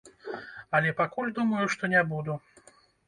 Але пакуль думаю, што не буду.